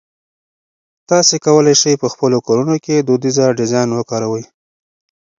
تاسي کولای شئ په خپلو کورونو کې دودیزه ډیزاین وکاروئ.